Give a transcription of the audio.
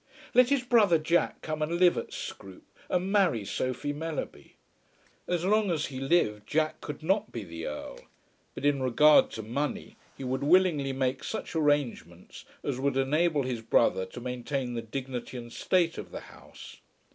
Let his brother Jack come and live at Scroope and marry Sophie Mellerby. As long as he lived Jack could not be the Earl, but in regard to money he would willingly make such arrangements as would enable his brother to maintain the dignity and state of the house.